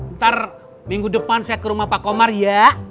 ntar minggu depan saya ke rumah pak komar ya